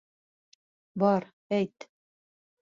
Бар, әйт!